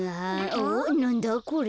おっなんだこれ？